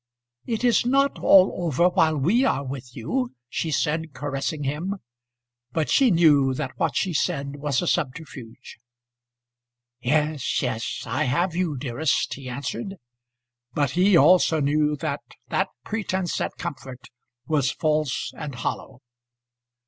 "It is not all over while we are with you," she said, caressing him. But she knew that what she said was a subterfuge. "Yes, yes; I have you, dearest," he answered. But he also knew that that pretence at comfort was false and hollow.